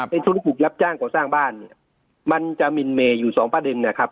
ในธุรกุกรับจ้างของสร้างบ้านมันจะมินเมย์อยู่สองประเด็นนะครับ